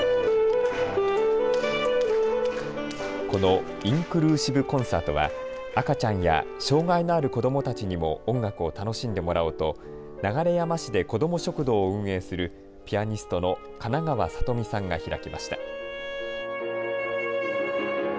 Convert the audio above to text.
このインクルーシブコンサートは赤ちゃんや障害のある子どもたちにも音楽を楽しんでもらおうと流山市で子ども食堂を運営するピアニストの金川聡美さんが開きました。